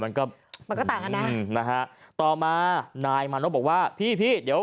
มันก็มันก็ต่างกันนะอืมนะฮะต่อมานายมานพบอกว่าพี่พี่เดี๋ยว